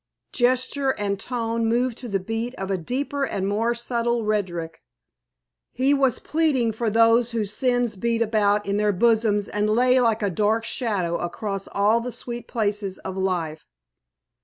Gesture and tone moved to the beat of a deeper and more subtle rhetoric. He was pleading for those whose sin beat about in their bosoms and lay like a dark shadow across all the sweet places of life.